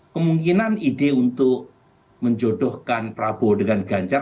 kemungkinan ide untuk menjodohkan prabowo dengan ganjar